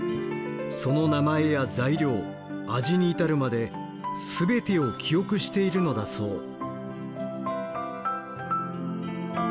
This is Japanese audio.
その名前や材料味に至るまで全てを記憶しているのだそう。